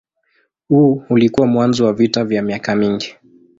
Huu ulikuwa mwanzo wa vita vya miaka mingi.